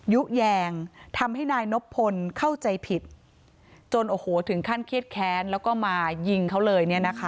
ยุคแยงทำให้นายนบพลเข้าใจผิดจนถึงขั้นเครียดแค้นแล้วก็มายิงเขาเลย